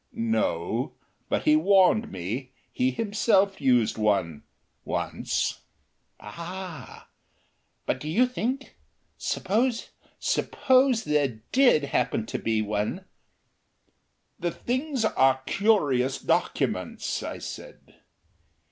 "No. But he warned me. He himself used one once." "Ah!... But do you think ? Suppose suppose there did happen to be one " "The things are curious documents," I said.